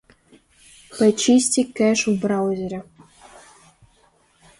Почисти кеш в браузере.